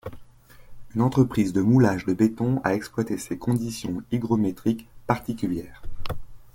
Une entreprise de moulage de béton a exploité ces conditions hygrométriques particulières.